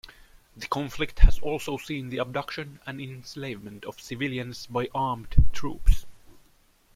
The conflict has also seen the abduction and enslavement of civilians by armed troops.